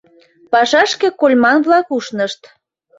Пашашке кольман-влак ушнышт.